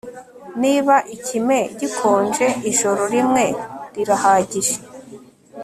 niba ikime gikonje, ijoro rimwe rirahagije